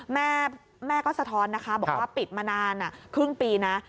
แม่ก็สะท้อนนะคะบอกว่าปิดมานานครึ่งปีนะ